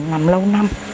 nằm lâu năm